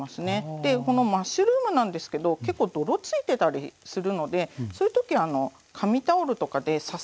でこのマッシュルームなんですけど結構泥ついてたりするのでそういう時紙タオルとかでササッと払って。